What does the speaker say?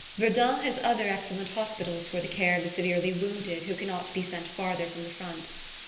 Verdun has other excellent hospitals for the care of the severely wounded who cannot be sent farther from the front.